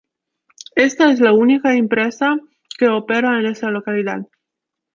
Esta es la única empresa que ópera en esta localidad.